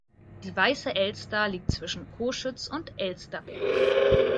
Die Weiße Elster liegt zwischen Coschütz und Elsterberg.